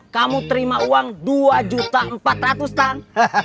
kamu terima uang dua empat ratus tang